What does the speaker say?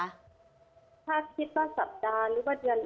ถ้าคิดว่าสัปดาห์หรือว่าเดือน